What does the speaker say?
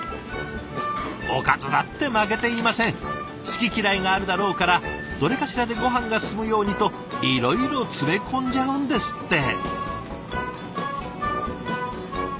好き嫌いがあるだろうからどれかしらでごはんが進むようにといろいろ詰め込んじゃうんですって。